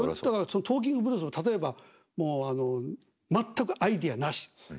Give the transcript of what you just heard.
だから「トーキングブルース」の例えばもう全くアイデアなし。